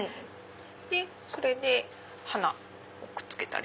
それで鼻をくっつけたり。